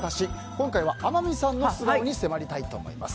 今回は、天海さんの素顔に迫りたいと思います。